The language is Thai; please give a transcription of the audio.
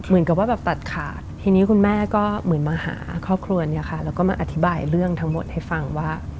เหมือนกับว่าแบบตัดขาดทีนี้คุณแม่ก็เหมือนมาหาครอบครัวเนี่ยค่ะแล้วก็มาอธิบายเรื่องทั้งหมดให้ฟังว่า